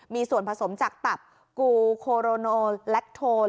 มีส่วนผสมจากตับกูโคโรโนแลคโทน